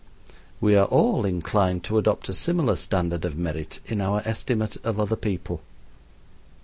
We are all inclined to adopt a similar standard of merit in our estimate of other people.